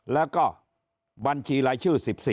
แล้วก็บัญชีรายชื่อ๑๔